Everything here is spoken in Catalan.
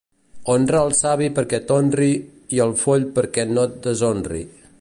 Honra el savi perquè t'honri i el foll perquè no et deshonri.